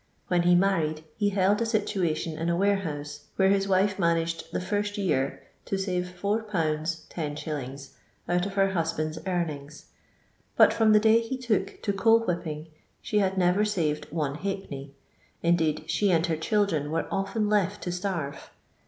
When he married he held a situation in a ware house, where his wife managed the first year to save 42. 10«. out of her husband's earnings ; but from the day he took to coal whipping she had never saved one halfpenny, indeed she and her children were often left to starve.